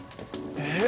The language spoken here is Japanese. えっ